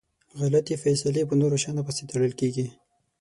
غلطي فیصلی په نورو شیانو پسي تړل کیږي.